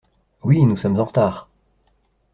Oui, nous sommes en retard.